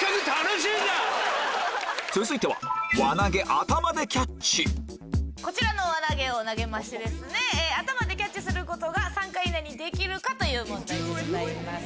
続いてはこちらの輪投げを投げましてアタマでキャッチすることが３回以内にできるか？という問題でございます。